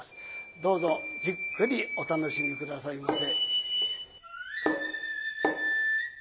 どうぞじっくりお楽しみ下さいませ。